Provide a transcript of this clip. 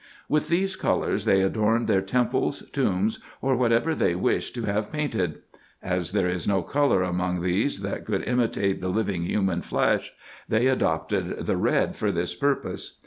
With these colours they adorned their temples, tombs, or whatever they wished to have painted. As there is no colour among these that could imitate the living human flesh, they adopted the red for this purpose.